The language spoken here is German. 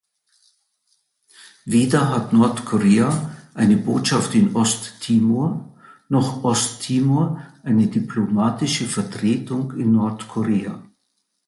Weder hat Nordkorea eine Botschaft in Osttimor noch Osttimor eine diplomatische Vertretung in Nordkorea.